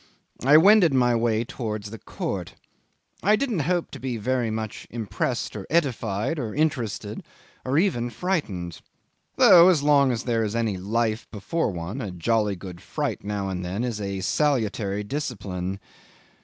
I wended my way towards the court. I didn't hope to be very much impressed or edified, or interested or even frightened though, as long as there is any life before one, a jolly good fright now and then is a salutary discipline.